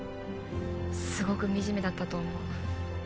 すごく惨めだったと思う